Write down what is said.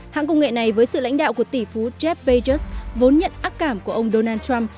hãng công nghệ này với sự lãnh đạo của tỷ phú jeff bezos vốn nhận ác cảm của ông donald trump